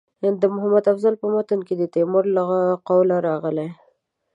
د محمد افضل په متن کې د تیمور له قوله راغلي.